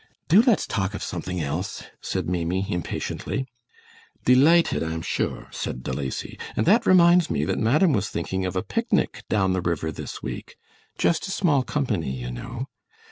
"Do let's talk of something else," said Maimie, impatiently. "Delighted, I am sure," said De Lacy; "and that reminds me that madam was thinking of a picnic down the river this week just a small company, you know.